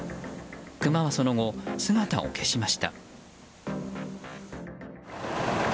クマはその後、姿を消しました。